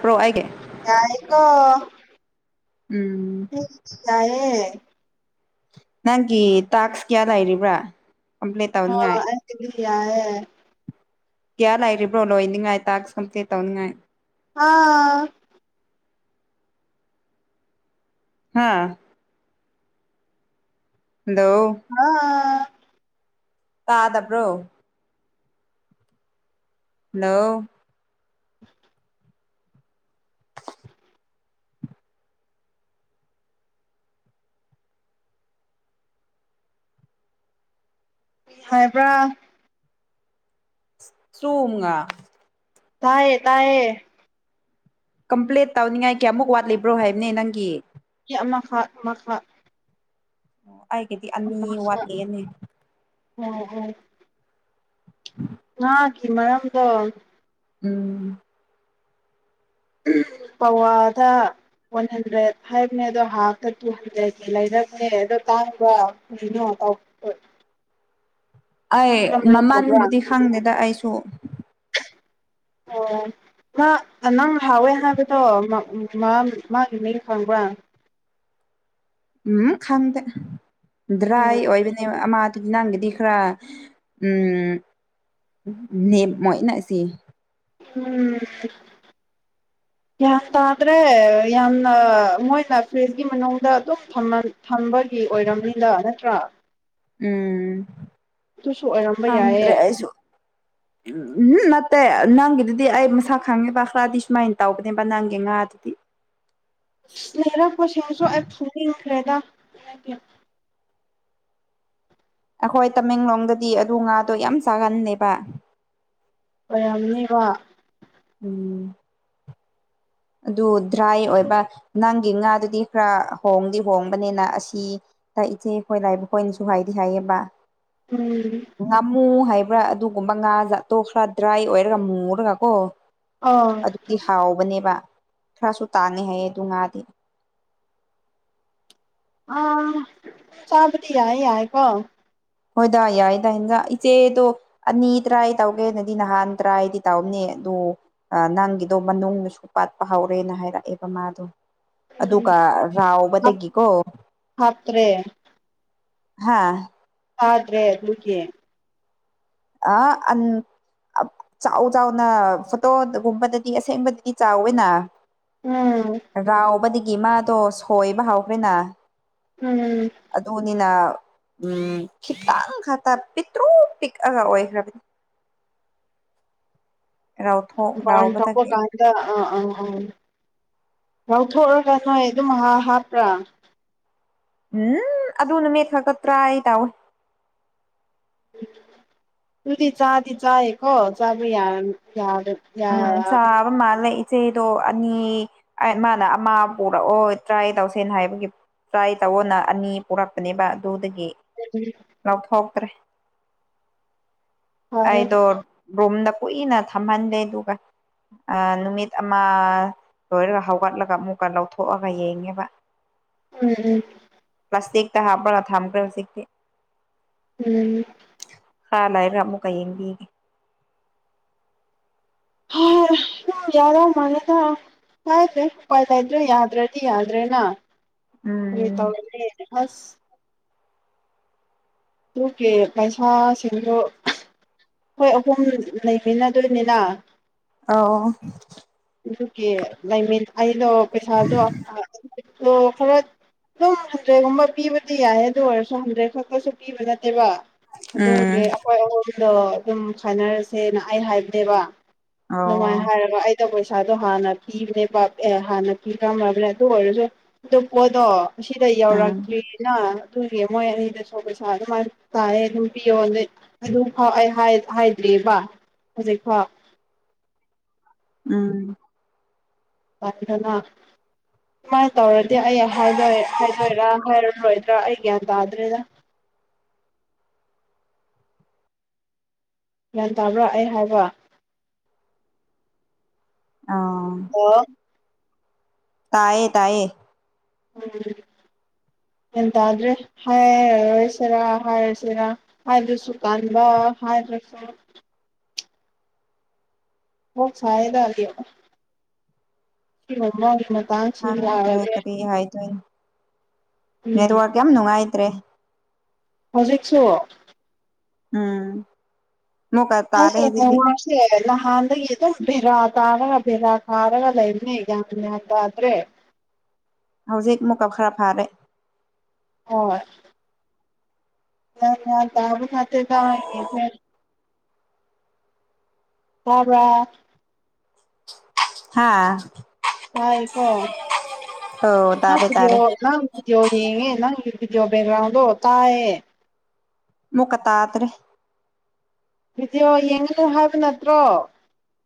pro ꯑꯩꯒꯤ ꯌꯥꯏꯀ ꯎꯝ ꯎ ꯌꯥꯏꯌꯦ ꯅꯪꯒꯤ ꯇꯥꯛꯁ ꯀꯌꯥ ꯂꯩ ꯂꯩꯔꯤꯕꯔꯤꯕ꯭ꯔꯥ ꯍ [unintelligible] ꯏ ꯀꯦꯔꯥꯏꯔꯤꯔꯤꯕ꯭ꯔꯣ ꯂꯣ ꯏꯅꯤꯡꯉꯥꯏ ꯇꯥ ꯁꯝꯇꯦ ꯇꯉꯅꯤꯡꯉꯥꯏ ꯑꯥ ꯍꯥꯥ ꯍꯜꯂꯣ ꯑ ꯇꯥꯗꯕ꯭ꯔꯣ ꯍꯜꯂꯣ [unintelligible] ꯍꯥꯏꯕ꯭ꯔꯥ ꯆꯨꯉ ꯊꯑꯦ ꯇꯑ ꯀꯝꯄ꯭ꯂꯦꯟꯠ ꯇꯧꯅꯤꯡꯉꯥꯏ ꯀꯌꯥꯃꯨꯛ ꯋꯥꯠꯂꯤꯕ꯭ꯔꯣ ꯍꯥꯏꯕꯅꯦ ꯅꯪꯒꯤ ꯑꯃ ꯍꯥꯥꯥꯠ ꯑꯃ ꯍꯥꯠ ꯑꯣ ꯑꯩꯒꯤꯗꯤ ꯑꯅꯤ ꯋꯥꯠꯂꯤꯌꯦꯅꯦ ꯑꯣ ꯎꯝ ꯉꯥꯒꯤ ꯃꯔꯝꯗꯣ ꯎꯝ ꯄꯋꯥꯗ ꯋꯥꯟ ꯍꯟꯗ꯭ꯔꯦꯗ ꯐꯥꯏꯚꯅꯦ ꯑꯗꯣ ꯍꯥꯐꯇ ꯇꯨ ꯍꯟꯗ꯭ꯔꯦꯠꯀꯤ ꯂꯩꯔꯕꯅꯦ ꯑꯗꯣ ꯇꯥꯡꯕ ꯀꯩꯅꯣ ꯇꯧ ꯑꯩ ꯀꯔꯝꯃꯥꯏ ꯇꯧꯕ꯭ꯔꯥ ꯃꯃꯟꯕꯨꯗꯤ ꯈꯪꯗꯦꯗ ꯑꯩꯁꯨ ꯑꯣ ꯃꯥ ꯅꯪ ꯍꯥꯎꯋꯦ ꯍꯥꯏꯕꯗꯣ ꯃꯥꯒꯤ ꯃꯤ ꯈꯪꯕ꯭ꯔꯥ ꯎꯝ ꯈꯪꯗꯦ ꯗ꯭ꯔꯥꯏ ꯎꯝ ꯑꯣꯏꯕꯅꯦ ꯑꯃ ꯑꯗꯨ ꯅꯪꯒꯤꯗꯤ ꯈꯔ ꯎꯝ ꯅꯦꯝꯃꯣꯏ ꯏꯅꯁꯤ ꯎꯝ ꯒ꯭ꯌꯥꯟ ꯇꯥꯗ꯭ꯔꯦ ꯌꯥꯝꯅ ꯃꯣꯏꯅ ꯐ꯭ꯔꯤꯖꯀꯤ ꯃꯅꯨꯡꯗ ꯑꯗꯨꯝ ꯊꯝꯕꯒꯤ ꯑꯣꯏꯔꯝꯅꯤꯗ ꯅꯠꯇ꯭ꯔꯥ ꯎꯝ ꯑꯗꯨꯁꯨ ꯑꯣꯏꯔꯝꯕ ꯌꯥꯏꯌꯦ ꯍꯗ꯭ꯔꯦ ꯑꯩꯁꯨꯝ ꯅꯠꯇꯦ ꯅꯪꯒꯤꯗꯨꯗꯤ ꯑꯩ ꯃꯁꯥꯛ ꯈꯪꯉꯦꯕ ꯈꯔꯗꯤ ꯁꯨꯃꯥꯏꯅ ꯇꯧꯕꯅꯦꯕ ꯅꯪꯒꯤ ꯉꯥ ꯑꯗꯨꯗꯤ ꯂꯩꯔꯣ ꯁꯤꯁꯨ ꯑꯩ ꯐꯨꯅꯤꯡꯉꯦ ꯐ꯭ꯔꯦꯗ ꯑꯩꯈꯣꯏ ꯇꯃꯦꯡꯂꯣꯡꯗꯗꯤ ꯑꯗꯨ ꯉꯥꯗꯣ ꯌꯥꯝ ꯆꯥꯒꯟꯗꯦꯕ ꯑꯣꯏꯔꯝꯅꯤꯕ ꯎꯝ ꯑꯗꯨ ꯗ꯭ꯔꯥꯏ ꯑꯣꯏꯕ ꯅꯪꯒꯤ ꯉꯥꯗꯨꯗꯤ ꯈꯔ ꯍꯣꯡꯗꯤ ꯍꯣꯡꯕꯅꯤꯅ ꯑꯁꯤ ꯇꯏꯆꯦ ꯑꯩꯈꯣꯏ ꯂꯥꯏꯕꯈꯣꯏꯅꯁꯨ ꯍꯥꯏꯗꯤ ꯍꯥꯏꯌꯦꯕ ꯎꯝ ꯉꯃꯨ ꯍꯥꯏ ꯑꯗꯨꯒꯨꯝꯕ ꯉꯥ ꯥꯠꯇꯣ ꯈꯔ ꯗ꯭ꯔꯥꯏ ꯑꯣꯏꯔꯒ ꯃꯨꯨꯔꯒ ꯀꯣ ꯑꯣ ꯑꯗꯨꯗꯤ ꯍꯥꯎꯕꯅꯦꯕ ꯈꯔꯁꯨ ꯇꯥꯅꯤ ꯍꯥꯏꯌꯦ ꯑꯗꯨ ꯉꯥꯗꯤ ꯑ ꯆꯥꯕꯗꯤ ꯌꯥꯏ ꯌꯥꯏꯀꯣ ꯍꯣꯏꯗꯥ ꯌꯥꯏꯗꯗꯥ ꯏꯟꯖꯥꯛ ꯏꯆꯦꯗꯣ ꯑꯅꯤ ꯇ꯭ꯔꯥꯏ ꯇꯧꯒꯦꯅꯗꯤ ꯅꯍꯥꯟ ꯇ꯭ꯔꯥꯏꯗꯤ ꯇꯧꯅꯦ ꯑꯗꯨꯗ ꯅꯪꯒꯤꯗꯣ ꯃꯅꯨꯡꯁꯨ ꯄꯥꯠꯄ ꯍꯧꯔꯦꯅ ꯍꯥꯏꯔꯛꯑꯦꯕ ꯃꯥꯗꯣ ꯎꯝ ꯑꯗꯨꯒ ꯍꯥꯞ ꯔꯥꯎꯕꯗꯒꯤꯀꯣ ꯍꯥꯞꯇ꯭ꯔꯦ ꯍꯥꯥ ꯐꯥꯗ꯭ꯔꯦ ꯑꯗꯨꯒꯤ ꯑ ꯆꯥꯎ ꯆꯥꯎꯅ ꯐꯣꯇꯣꯒꯨꯝꯕꯗꯗꯤ ꯑꯁꯦꯡꯕꯗꯗꯤ ꯆꯥꯎꯋꯦꯅ ꯎꯝ ꯒꯤ ꯃꯥꯗꯣ ꯁꯣꯏꯕ ꯍꯥꯎꯈ꯭ꯔꯦꯅꯥ ꯎꯝ ꯑꯗꯨꯅꯤꯅ ꯎꯝ ꯈꯤꯇꯪ ꯈꯛꯇ ꯄꯤꯛꯇ꯭ꯔꯨ ꯄꯤꯛꯑꯒ ꯑꯣꯏꯈ꯭ꯔꯕꯅꯤ ꯔꯥꯎꯊꯣꯛ ꯄ ꯊꯄꯣ ꯔꯥꯎꯕꯗꯒꯤ ꯀꯥꯟꯗ ꯑꯥ ꯑꯥ ꯑꯥ ꯂꯧꯎꯊꯣꯛꯑꯒ ꯅꯣꯏ ꯑꯗꯨꯝꯥ ꯍꯥꯞꯄ꯭ꯔꯥ ꯎꯝ ꯑꯗꯨ ꯅꯨꯃꯤꯠ ꯍꯥꯥꯀꯠꯇ꯭ꯔꯥ ꯑꯩ ꯇꯥꯎꯢ ꯎꯗꯤ ꯆꯥꯗꯤ ꯆꯥꯏꯀꯣ ꯆꯥꯕꯨ ꯌꯥ ꯌꯥ ꯎꯝ ꯆꯥꯕ ꯃꯥꯂ ꯏꯆꯦꯗꯣ ꯑꯅꯤ ꯃꯥꯅ ꯑꯃ ꯄꯨꯔꯛꯑꯣ ꯇ꯭ꯔꯥꯏ ꯇꯧꯁꯦꯅ ꯍꯥꯏꯕꯒꯤ ꯇ꯭ꯔꯥꯏ ꯇꯧꯑꯣꯅ ꯑꯅꯤ ꯄꯨꯔꯛꯄꯅꯦꯕ ꯑꯗꯨꯗꯒꯤ ꯂꯧꯊꯣꯛ ꯇꯔꯦ ꯐꯔꯦ ꯑꯩꯗꯣ ꯔꯨꯝꯝꯗ ꯀꯨꯏꯅ ꯊꯝꯍꯟꯗꯦ ꯑꯗꯨꯒ ꯅꯨꯃꯤꯠ ꯑꯃ ꯂꯣꯏꯔꯒ ꯍꯧꯒꯠꯂꯒ ꯑꯃꯨꯛꯀ ꯂꯧꯊꯣꯛꯑꯒ ꯌꯦꯡꯉꯦꯕ ꯎꯝ ꯎꯝ ꯇ ꯍꯥꯕ ꯊꯝ ꯀ ꯁ ꯎꯝ ꯍꯜ ꯂꯩꯔꯒ ꯑꯃꯨꯛ ꯀ ꯌꯦꯡꯕꯤꯒꯦ ꯌꯥꯔ ꯃꯥꯂꯗ ꯍꯥꯏꯗ꯭ꯔꯦ ꯎꯄꯥꯏ ꯂꯩꯇ꯭ꯔꯦ ꯌꯥꯗ꯭ꯔꯗꯤ ꯌꯥꯗ꯭ꯔꯦꯅ ꯎꯝ [unintelligible] ꯍꯁ ꯑꯗꯨꯒꯤ ꯄꯩꯁꯥꯁꯤꯡꯗꯨ ꯑꯩꯈꯣꯏ ꯑꯍꯨꯝ ꯂꯩꯃꯤꯅꯗꯣꯏꯅꯤꯅ ꯑꯧ ꯑꯗꯨꯒꯤ ꯂꯩꯃꯤ ꯑꯩꯅꯣ ꯄꯩꯁꯥꯗꯣ ꯑ ꯈꯔ ꯑꯗꯨꯝ ꯍꯟꯗ꯭ꯔꯦꯠꯀꯨꯝꯕ ꯄꯤꯕꯗꯤ ꯌꯥꯏ ꯑꯗꯨ ꯑꯣꯏꯔꯁꯨ ꯍꯟꯗ꯭ꯔꯦꯗ ꯈꯛꯇꯁꯨ ꯕꯖ ꯍꯥꯏꯕ ꯎꯝ ꯑꯗꯨꯒꯤ ꯑꯩꯈꯣꯏ ꯑꯍꯨꯝꯗ ꯑꯗꯨꯝ ꯈꯥꯏꯅꯔꯁꯦꯅ ꯑꯩ ꯍꯥꯏꯕꯅꯦꯕ ꯅꯨꯡꯉꯥꯏꯅ ꯑꯣ ꯍꯥꯏꯔꯕ ꯄꯩꯁꯥꯗꯣ ꯍꯥꯟꯅ ꯄꯤꯕꯅꯦ ꯑꯦ ꯍꯥꯟꯅ ꯄꯤ ꯇꯝꯃꯕꯅꯦ ꯑꯗꯨ ꯑꯣꯏꯔꯁꯨ ꯑꯗꯨ ꯄꯣꯗꯣ ꯃꯁꯤꯗ ꯎꯝ ꯌꯧꯔꯛꯇ꯭ꯔꯤꯅ ꯇ ꯍꯦ ꯃꯣꯏ ꯑꯅꯤꯗ ꯁꯣꯁ ꯑꯗꯨꯃꯥꯏꯅ ꯇꯥꯥꯏꯦ ꯑꯗꯨꯝ ꯄꯤꯌꯣ ꯑꯗꯨ ꯐꯥꯎ ꯑꯩ ꯍꯥꯏꯗ꯭ꯔꯤꯑꯕ ꯍꯧꯖꯤꯛꯐꯥꯎ ꯎꯝ ꯗꯅ ꯁꯨꯃꯥꯏꯅ ꯇꯧꯔꯗꯤ ꯑꯩ ꯍꯥꯏꯗꯣꯏꯔ ꯍꯥꯏꯔꯔꯣꯏꯗ꯭ꯔꯥ ꯑꯩ ꯒ꯭ꯌꯥꯟ ꯇꯥꯗ꯭ꯔꯦꯗ ꯒ꯭ꯌꯥꯟ ꯇꯥꯕ꯭ꯔꯥ ꯑꯩ ꯍꯥꯎꯕ ꯑ ꯑꯣ ꯇꯌꯦ ꯇꯌꯦ ꯎꯝ ꯒ꯭ꯌꯥꯟ ꯇꯥꯗ꯭ꯔꯦ ꯍꯥꯏꯔꯔꯣꯏꯁꯤꯔꯥ ꯍꯥꯏꯔꯁꯤꯔꯥ ꯍꯥꯏꯕ꯭ꯔꯁꯨ ꯀꯥꯟꯕ ꯍꯥꯏꯕ꯭ꯔꯁꯨ ꯍ ꯐꯥꯏꯗꯒ ꯍꯪꯗ꯭ꯔꯦ ꯀꯔꯤ ꯍꯥꯏꯗꯣꯏ ꯅꯣ ꯎꯝ ꯅꯦꯠꯋꯥꯛ ꯌꯥꯝ ꯅꯨꯡꯉꯥꯏꯇ꯭ꯔꯦ ꯍꯧꯖꯤꯛꯁꯨ ꯎꯝ ꯃꯨꯛꯀ ꯑ ꯇꯥꯔꯦ ꯍꯧꯖꯤꯛꯇꯤ ꯃꯥꯁꯦ ꯂꯍꯥꯟꯗꯒꯦ ꯑꯗꯨꯣ ꯕꯦꯔꯥ [unintelligible] ꯗ꯭ꯔꯦ ꯍꯧꯖꯤꯛ ꯃꯨꯀꯞ ꯈꯔ ꯐꯔꯦ ꯍꯣꯏ ꯑ ꯌꯥ ꯇꯕ [unintelligible] ꯇꯕ꯭ꯔ ꯍꯥꯥ ꯇꯥꯏꯀꯣ ꯑꯣ ꯅꯪ ꯇꯥꯔꯦ ꯐꯤꯗꯤꯌꯣ ꯇꯥꯔꯦ ꯅꯪ ꯐꯤꯗꯤꯌꯣ ꯌꯦꯉꯦ ꯅꯪ [unintelligible] ꯇꯥꯏꯌꯦ ꯃꯣꯀꯇꯥꯇ꯭ꯔꯦ ꯚꯤꯗꯤꯑꯣ ꯌꯦꯡꯉꯅꯨ ꯍꯥꯏꯕ ꯅꯠꯇ꯭ꯔꯣ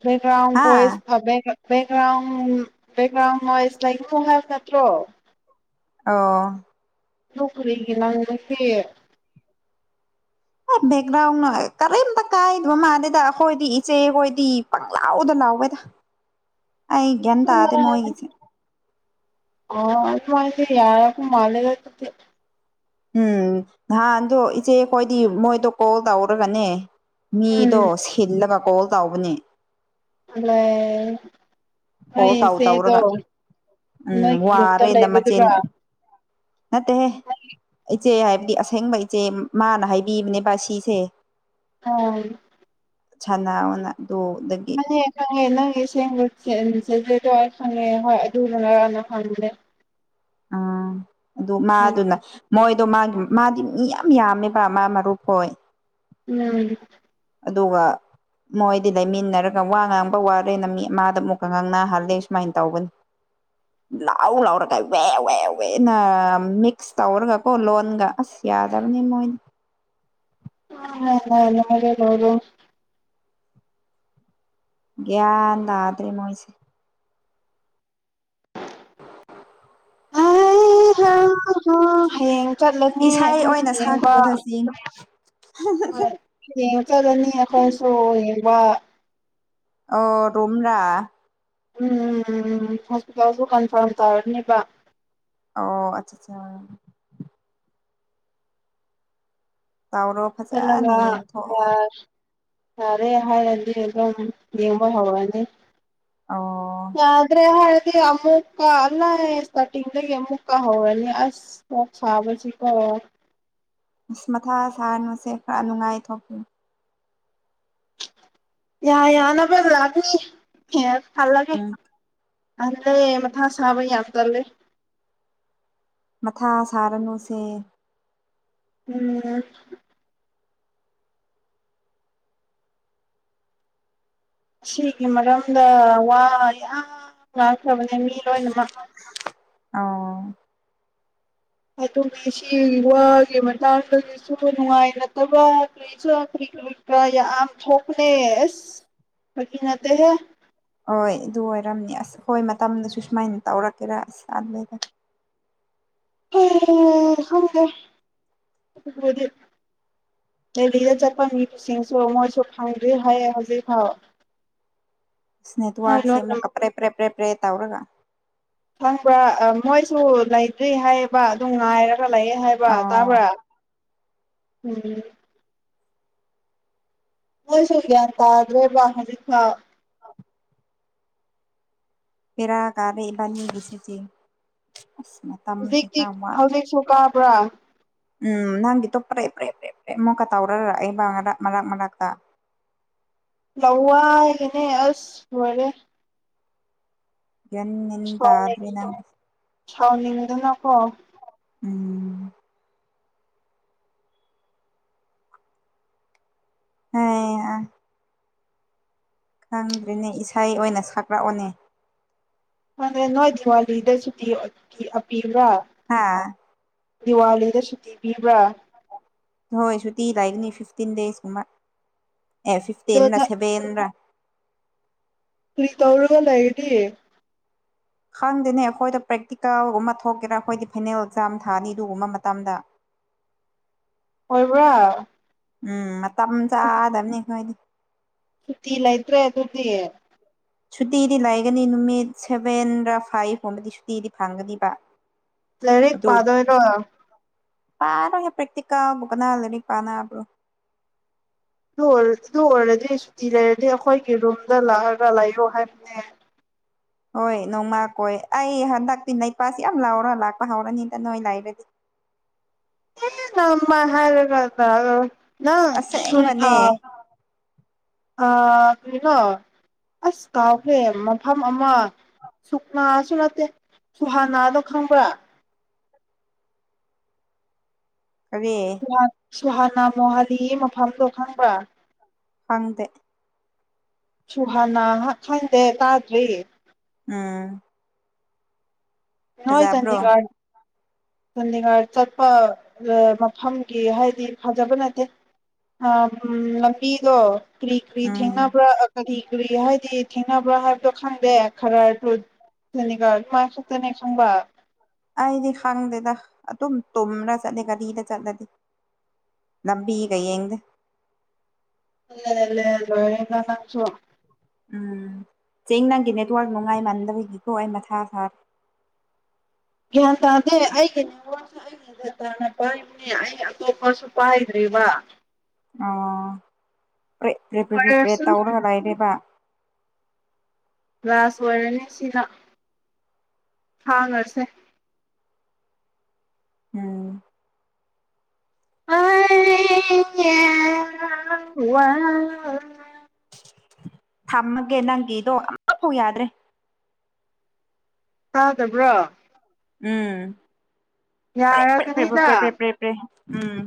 ꯃ꯭ꯔꯥꯨ ꯍꯥ ꯀꯣꯏꯃꯦ ꯕꯦꯛꯒ꯭ꯔꯥꯎꯟ ꯕꯦꯛꯒ꯭ꯔꯥꯎꯟ ꯅꯣꯏꯁ ꯂꯥꯏꯛ ꯏ ꯐꯣꯡ ꯍꯥꯏꯕ ꯅꯠꯇ꯭ꯔꯣ ꯑꯣ ꯂ ꯀꯔꯤꯒ ꯂꯥꯡꯁꯦ ꯕꯦꯛꯒ꯭ꯔꯥꯎꯟ ꯀꯔꯤꯝꯇ ꯀꯥꯏꯗꯕ ꯃꯥꯜꯗꯦꯗ ꯑꯩꯈꯣꯏꯗꯤ ꯏꯆꯦꯈꯣꯏꯗꯤ ꯄꯪ ꯂꯥꯎꯗ ꯂꯥꯎꯕꯦꯗ ꯑ ꯀꯟ ꯇꯗ ꯃꯒꯤꯁꯤꯦ ꯑ ꯃꯥꯗꯤ ꯌꯥꯔꯀ ꯃꯥꯂꯦꯗꯗꯤ ꯎꯝ ꯅꯍꯥꯟꯗꯣ ꯏꯆꯦꯈꯣꯏꯗꯤ ꯃꯣꯏꯗꯣ ꯀꯣꯜ ꯇꯧꯔꯒꯅꯦ ꯎꯝ ꯃꯤꯗꯣ ꯁꯤꯜꯂꯕ ꯀꯣꯜ ꯇꯧꯕꯅꯦ ꯂꯩ ꯀꯣꯜ ꯇꯧ ꯍꯣꯏꯆꯦꯗꯣ ꯇꯧꯔꯒ ꯎꯝ ꯅꯣꯏꯒꯤ ꯠꯇ ꯂꯩꯕꯗꯨꯔꯣ ꯅꯠꯇꯦ ꯏꯆꯦ ꯍꯥꯏꯕꯗꯤ ꯑꯁꯦꯡꯕ ꯏꯆꯦ ꯃꯥꯅ ꯍꯥꯏꯕꯤꯕꯅꯦ ꯕꯥ ꯁꯤꯁꯦ ꯑ ꯆꯅꯥꯅ ꯃꯅꯦ ꯈꯅ ꯁꯦꯡ ꯆꯁꯦꯁꯦꯗꯣ ꯈꯪꯉꯦ ꯍꯣꯏ ꯑꯗꯨ ꯂꯅ ꯂꯥꯟꯅ ꯍꯥꯡꯗꯦ ꯑꯥ ꯑꯗꯨ ꯃꯥꯗꯨꯅ ꯃꯣꯏꯗꯣ ꯃꯥꯒꯤ ꯃꯥꯗꯤ ꯃꯤ ꯌꯥꯝ ꯌꯥꯝꯃꯦꯕ ꯃꯥ ꯃꯔꯨꯞ ꯑꯣꯏ ꯑ ꯑꯗꯨꯒ ꯃꯣꯏꯗꯤ ꯂꯩꯃꯤꯟꯅꯔꯒ ꯋꯥ ꯉꯥꯡꯕ ꯋꯥꯔꯦꯅ ꯃꯤ ꯃꯥꯗ ꯑꯃꯨꯛꯀ ꯉꯥꯡꯅꯍꯜꯂꯦ ꯁꯨꯃꯥꯏꯅ ꯇꯧꯕꯅꯤ ꯂꯥꯎ ꯂꯥꯎꯔꯒ ꯋꯦ ꯋꯦ ꯋꯦꯅ ꯃꯤꯛꯁ ꯇꯧꯔꯒ ꯀꯣ ꯂꯣꯟꯒ ꯑꯁ ꯌꯥꯗꯕꯅꯤ ꯃꯣꯏꯗꯤ ꯃꯦ [unintelligible] ꯒꯤ꯭ꯌꯅꯗ꯭ꯔꯦ ꯃꯣꯏꯁꯦ [inaudible] ꯍ ꯍꯌꯦꯡ ꯆꯠꯂꯅꯤ ꯏꯁꯩ ꯑꯩꯈꯣꯏ ꯑꯣꯏꯅ ꯆꯕ ꯁꯛꯄꯗ ꯆꯤꯡ ꯍꯣꯏ ꯗꯅꯤ ꯑꯩꯈꯣꯏꯁꯨꯣ ꯌꯦ ꯋꯥ ꯑꯣ ꯔꯣꯝꯥ ꯎꯝ ꯎꯝ ꯎꯝ ꯍꯣꯁꯄꯤꯇꯥꯜ ꯗꯨ ꯀꯥꯟ ꯐꯥꯔꯝ ꯇꯥꯔꯅꯦꯕ ꯑꯣ ꯑꯆꯥ ꯑꯆꯥ ꯇ ꯆꯥꯎꯔꯣ ꯐꯖꯅ ꯌꯦꯡꯊꯣꯛꯑꯣ ꯌꯥꯔꯦ ꯍꯥꯏꯔꯗꯤ ꯑꯗꯨꯝ ꯌꯦꯡꯕ ꯍꯧꯔꯅꯤ ꯑꯣ ꯌꯥ꯭ꯔꯦ ꯍ ꯑꯃꯨꯛꯀ ꯂ ꯏꯁꯇꯥꯔꯇꯤꯡꯗꯒꯤ ꯑꯃꯨꯛꯀ ꯍꯧꯔꯅꯤ ꯑꯁ ꯃ ꯁꯥꯕꯁꯤꯀꯣ ꯑꯁ ꯃꯊꯥ ꯁꯥꯍꯅꯨꯁꯦ ꯈꯔ ꯅꯨꯡꯉꯥꯏ ꯊꯣꯛꯈꯤ ꯌꯥ ꯌꯥꯅ ꯐ ꯂꯥꯛꯒꯅꯤ ꯊꯜꯂꯒꯦ ꯑꯜꯂꯦ ꯃꯊꯥ ꯁꯥꯕ ꯌꯥꯗꯂꯦ ꯃꯊꯥ ꯁꯥꯔꯅꯨꯁꯦ ꯎꯝ ꯁꯤꯒꯤ ꯃꯔꯝꯗ ꯋꯥ ꯌꯥꯝ ꯐꯕꯅꯦ ꯃꯤ ꯂꯣꯏꯅꯃꯛ ꯑꯣ ꯑꯗꯨꯒ ꯁꯤ ꯋꯥꯒꯤ ꯃꯇꯥꯡꯁꯨ ꯅꯨꯡꯉꯥꯏꯅꯗꯕ ꯀꯔꯤ ꯊꯄꯅꯦ ꯀꯀꯤꯅꯠꯇ ꯍꯦ ꯍꯣꯏ ꯑꯗꯨ ꯑꯣꯏꯔꯝꯅꯤ ꯑꯁ ꯍꯣꯏ ꯃꯇꯝꯗꯨꯁꯨ ꯁꯨꯃꯥꯏꯅ ꯇꯧꯔꯛꯀꯦꯔꯥ ꯑꯁ ꯑꯗꯨꯋꯥꯏꯗ ꯐꯪꯦ ꯗꯦꯜꯂꯤꯗ ꯆꯠꯄ ꯃꯤꯁꯤꯡꯁꯨ ꯃꯣꯏꯁꯨ ꯐꯪꯗ꯭ꯦ ꯍꯥꯏꯌꯦ ꯍꯧꯖꯤꯛ ꯐꯥꯎ ꯁ꯭ꯅꯦ ꯇꯨ ꯃꯣꯏ ꯋꯥꯛꯁꯦ ꯂꯣꯏꯅ ꯃ ꯀ ꯄ꯭ꯔꯦ ꯄ꯭ꯔꯦ ꯄ꯭ꯔꯦꯄ꯭ꯔꯦ ꯇꯧꯔꯒ ꯈꯪꯕ꯭ꯔꯥ ꯃꯣꯏꯁꯨ ꯂꯩꯇ꯭ꯔꯤ ꯍꯥꯏꯌꯦꯕ ꯑꯗꯨ ꯉꯥꯏ ꯈꯔ ꯂꯥꯛꯑꯦ ꯍꯥꯏꯕ ꯑꯣ ꯇꯥꯕ꯭ꯔꯥ ꯎꯝ ꯃꯣꯏꯁꯨ ꯑꯣꯏꯒꯦ ꯇ ꯔ ꯋꯥꯍꯅꯤ ꯊꯥꯎ ꯑ ꯄꯦꯔ ꯀꯥꯔꯦꯕꯅꯤ ꯁꯦ ꯆꯦ ꯍꯧꯖꯤ ꯍꯧꯖꯤ ꯆꯀꯥ ꯀ꯭ꯔꯥ ꯎꯝ ꯅꯪꯒꯤꯇꯣ ꯄꯔꯦ ꯄꯔꯦꯞ ꯄꯔꯦ ꯄ꯭ꯔꯦ ꯑꯃꯨꯛꯀ ꯇꯥꯎꯔꯔ ꯑꯩꯕ ꯃꯔꯥꯛ ꯃꯔꯛ ꯃꯔꯛꯇ ꯂꯧꯋꯥ ꯏꯅꯦ ꯑꯁ ꯍꯔꯦ ꯌꯦ ꯇꯗꯔꯤ ꯅꯪ ꯁꯥꯎꯅꯤꯡꯗꯨꯅꯀꯣ ꯎꯝ ꯍꯣꯏ ꯈꯪꯗ꯭ꯔꯤꯅꯦ ꯏꯁꯩ ꯑꯣꯏꯅ ꯁꯛꯂꯛꯑꯣꯅꯦ ꯑꯗ ꯅꯣꯏ ꯗꯤꯋꯥꯂꯤꯗ ꯁꯨꯇꯤ ꯑꯄꯤꯕ꯭ꯔꯥ ꯍꯥꯥ ꯗꯤꯋꯥꯂꯤꯗ ꯁꯨꯇꯤꯕꯤꯕ꯭ꯔꯥ ꯍꯣꯏ ꯁꯨꯇꯤ ꯂꯥꯛꯒꯅꯤ ꯐꯤꯐꯇꯤꯟ ꯗꯦꯁꯀꯨꯝꯕ ꯑꯦ ꯐꯤꯐꯇꯤꯟ ꯑꯗꯨꯗ ꯁꯦꯚꯦꯟ ꯔ ꯀꯔꯤ ꯇꯧꯔꯒ ꯂꯩꯏꯔꯤ ꯈꯪꯗꯦꯅꯦ ꯑꯩꯈꯣꯏꯗ ꯄ꯭ꯔꯦꯛꯇꯤꯀꯦꯜꯒꯨꯝꯕ ꯊꯣꯛꯀꯦꯔꯥ ꯑꯩꯈꯣꯏꯗꯤ ꯐꯥꯏꯅꯦꯜ ꯑꯦꯛꯖꯥꯝ ꯊꯥꯅꯤ ꯑꯗꯨꯒꯨꯝꯕ ꯃꯇꯝꯗ ꯑꯣꯏꯕ꯭ꯔꯥ ꯎꯝ ꯇ ꯆꯥꯗꯕꯅꯤ ꯅꯣꯏꯗꯤ ꯁꯨꯇꯤ ꯂꯩꯇ꯭ꯔꯦ ꯑꯗꯨꯗꯤ ꯁꯨꯇꯤꯗꯤ ꯂꯥꯏꯒꯅꯤ ꯅꯨꯃꯤꯠ ꯁꯦꯚꯦꯟ ꯔ ꯐꯥꯏꯚꯀꯨꯝꯕꯗꯤ ꯁꯨꯇꯤꯗꯤ ꯐꯪꯒꯅꯤꯕ ꯂꯔꯤꯛ ꯄꯥꯗꯣꯏꯔꯣ ꯄꯥꯔ ꯄ꯭ꯔꯦꯛꯇꯤꯥ ꯅꯥ ꯂꯩꯅꯤ ꯄꯥꯅꯕ꯭ꯔꯣ ꯑꯗꯨ ꯑꯣꯏ ꯑꯗꯨ ꯑꯣꯏꯔꯗꯤ ꯁꯨꯇꯤ ꯂꯩꯔꯗꯤ ꯑꯩꯈꯣꯏꯒꯤ ꯔꯨꯝꯗ ꯂꯥꯛꯑꯒ ꯂꯩꯔꯣ ꯍꯥꯏꯕꯅꯦ ꯍꯣꯏ ꯅꯣꯡꯃꯥ ꯀꯣꯏ ꯑꯩ ꯍꯟꯗꯛꯇꯤ ꯅꯄꯥꯁꯤ ꯌꯥꯝ ꯂꯥꯎꯔ ꯂꯥꯛꯄ ꯍꯧꯔꯅꯤꯗ ꯅꯣꯏ ꯂꯥꯏꯔꯗꯤ ꯃ ꯍꯥꯏꯔꯒ [unintelligible] ꯅꯪ ꯁꯟ ꯑꯁꯦꯡꯕꯅꯦ ꯑꯥꯎ ꯀꯩꯅꯣ ꯑꯁ ꯀꯥꯎꯈ꯭ꯔꯦ ꯃꯐꯝ ꯑꯃ ꯁꯨꯛꯅꯥꯁꯨ ꯅꯠꯇꯦ ꯁꯨꯍꯥꯅꯥꯗꯣ ꯈꯪꯕ꯭ꯔꯥ ꯀꯗ ꯁꯨꯍꯥꯅꯥ ꯃꯣꯍꯥꯂꯤ ꯃꯐꯝꯗꯣ ꯈꯪꯕ꯭ꯔꯥ ꯍꯪꯗꯦ ꯁꯨꯍꯥꯟꯅ ꯈꯪꯗꯦ ꯇꯥꯗ꯭ꯔꯤ ꯎꯝ ꯅꯣꯏꯣꯏ ꯐꯖꯕ꯭ꯔꯣ ꯆꯟꯗꯤꯒꯔ ꯆꯥꯟꯗꯤꯒꯔ ꯆꯠꯄ ꯃꯐꯝꯒꯤ ꯍꯥꯏꯗꯤ ꯐꯖꯕ ꯅꯠꯇꯦ ꯂꯝꯕꯤꯗꯣ ꯀꯨꯔꯤ ꯀ꯭ꯔꯤ ꯎꯝ ꯊꯦꯡꯅꯕ꯭ꯔꯥ ꯀꯔꯤ ꯀꯔꯤ ꯍꯥꯏꯗꯤ ꯊꯦꯡꯅꯕ꯭ꯔꯥ ꯍꯥꯏꯕꯗꯣ ꯈꯪꯗꯦ ꯈꯔꯔꯗꯨꯣꯅꯤꯒꯃꯥꯏ [unintelligible] ꯑꯗꯨꯅꯦꯛ ꯈꯪꯕ ꯑꯩꯗꯤ ꯈꯪꯗꯦꯗ ꯑꯗꯨꯝ ꯇꯨꯝ꯭ꯔꯥ ꯆꯠꯂꯦ ꯒꯥꯔꯤꯗ ꯆꯠꯂꯗꯤ ꯂꯝꯕꯤꯒ ꯌꯦꯡꯗꯦ [unintelligible] ꯎꯝ ꯆꯦꯡ ꯅꯪꯒꯤ ꯅꯦꯠꯋꯥꯔꯛ ꯅꯨꯡꯉꯥꯏ ꯃꯥꯟꯗꯕꯒꯤꯀꯣ ꯑꯩ ꯃꯊꯥ ꯁꯥꯔ ꯒ꯭ꯌꯥꯟ ꯇꯥꯗꯦ ꯑꯩꯒꯤ ꯅꯤꯉꯣꯜꯁꯨ ꯑꯩꯩꯅ ꯭ꯌꯥ ꯇꯥꯅ ꯄꯥꯏꯕꯅꯦ ꯑꯩ ꯑꯇꯣꯞꯄꯁꯨ ꯄꯥꯏꯗ꯭ꯔꯤꯕ ꯑꯣꯦ ꯑꯣꯏꯔꯁꯅꯨ ꯇꯥꯎꯔ ꯍꯂ ꯂꯩꯅꯦꯦꯕ ꯒꯥꯁ ꯑꯣꯏꯔꯅꯤ ꯁꯤꯅ ꯊꯥꯡꯉꯁꯦ ꯎꯝ [unintelligible] [inaudible] [inaudible] ꯋꯥ ꯊꯝꯃꯒꯦ ꯅꯪꯒꯤꯗꯣ ꯑꯃꯐꯥꯎ ꯌꯥꯗ꯭ꯔꯦ ꯇꯗꯕ꯭ꯔꯣ ꯎꯝ ꯞꯔꯦꯛ ꯌꯥꯔꯒꯅꯤꯗ ꯄꯔꯦꯛ ꯄꯔ꯭ꯦꯛ ꯎꯝ